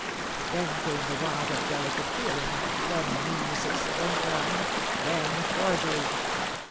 Then came the want of delicate feeling, then meannesses, then crime, then forgery.